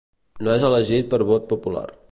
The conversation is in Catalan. No és elegit per vot popular.